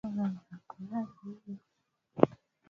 Wanyama wengine wanaoambukizwa